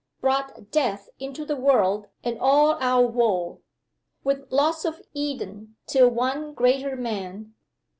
Brought death into the world and all our woe. With loss of Eden till one greater Man.